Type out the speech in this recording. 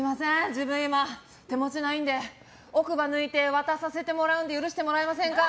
自分、今手持ちないんでで奥歯抜いて渡させてもらうんで許してもらえませんか？